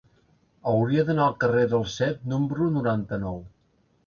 Hauria d'anar al carrer del Cep número noranta-nou.